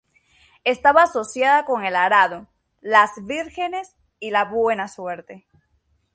Estaba asociada con el arado, las vírgenes y la buena suerte.